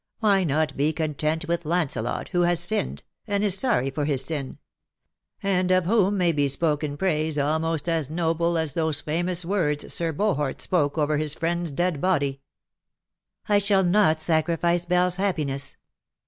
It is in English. Why not be content with Lancelot, who has sinned, and is sorry for his sin; and of whom may be spoken praise almost as noble as those famous words Sir Bohort spoke over his friend's dead body." " I shall not sacrifice Belle's happiness.